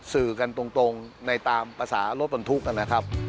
สื่อกันตรงในตามภาษารถบรรทุกนะครับ